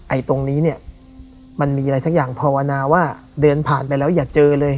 ตรงนี้เนี่ยมันมีอะไรสักอย่างภาวนาว่าเดินผ่านไปแล้วอย่าเจอเลย